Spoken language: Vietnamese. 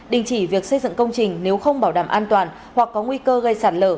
đình chỉ việc xây dựng công trình nếu không bảo đảm an toàn hoặc có nguy cơ gây sạt lở